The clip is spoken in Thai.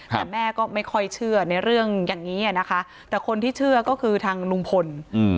แต่แม่ก็ไม่ค่อยเชื่อในเรื่องอย่างนี้นะคะแต่คนที่เชื่อก็คือทางลุงพล